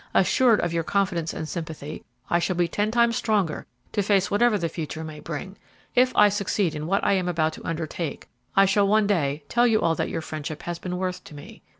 "Assured of your confidence and sympathy, I shall be ten times stronger to face whatever the future may bring. If I succeed in what I am about to undertake, I shall one day tell you all that your friendship has been worth to me.